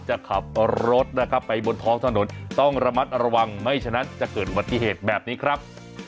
จะขับรถนะครับไปบนท้องถนนต้องระมัดระวังไม่ฉะนั้นจะเกิดอุบัติเหตุแบบนี้ครับ